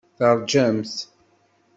Teṛjamt.